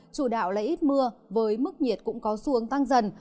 chủ đạo là ít mưa với mức nhiệt cũng có xuống tăng dần